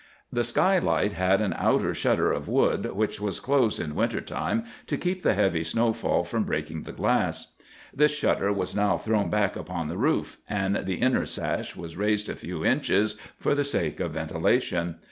"The skylight had an outer shutter of wood, which was closed in winter time to keep the heavy snowfall from breaking the glass. "This shutter was now thrown back upon the roof, and the inner sash was raised a few inches for the sake of ventilation.